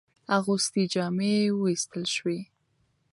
اغوستي جامې ووېستل شوې.